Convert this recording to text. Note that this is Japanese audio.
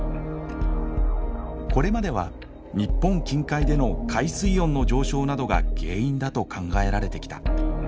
これまでは日本近海での海水温の上昇などが原因だと考えられてきた。